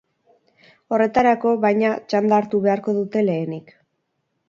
Horretarako, baina, txanda hartu beharko dute lehenik.